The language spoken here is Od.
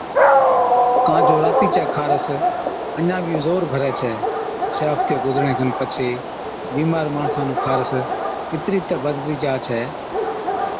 ڪان جو راتِي چَي خارس اڃا بِي زور ڀرَي ڇَي۔ ڇه هفتي گُذرڻي کن پڇي بِيمار ماڻسا نُون خارس اِترِي تہ بڌتِي جا ڇَي